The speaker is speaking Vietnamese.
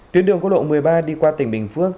tuyến đường quốc lộ một mươi ba đi qua tỉnh bình phước